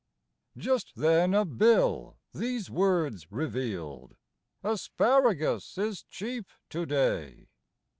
Just then a bill these words revealed :" Asparagus is cheap to day."